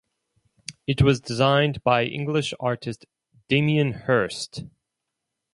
It was designed by English artist Damien Hirst.